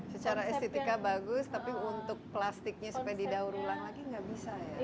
secara estetika bagus tapi untuk plastiknya supaya didaur ulang lagi nggak bisa ya